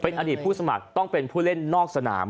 อดีตผู้สมัครต้องเป็นผู้เล่นนอกสนาม